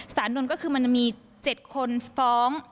นนท์ก็คือมันมี๗คนฟ้อง